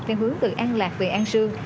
theo hướng từ an lạc về an sương